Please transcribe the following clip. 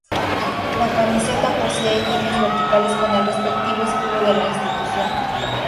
La camiseta posee líneas verticales con el respectivo escudo de la institución.